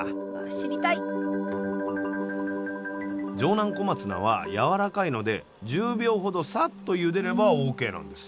スタジオ城南小松菜はやわらかいので１０秒ほどさっとゆでればＯＫなんです。